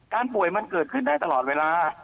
ป่วยมันเกิดขึ้นได้ตลอดเวลา